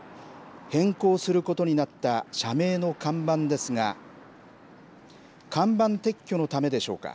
変更することになった社名の看板ですが看板撤去のためでしょうか。